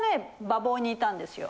馬房にいたんですよ。